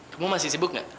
kamu masih sibuk gak